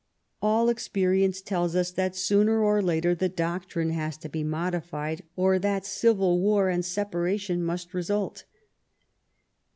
All experience tells us that, sooner or later, the doctrine has to be modified or that civil war and separation must result.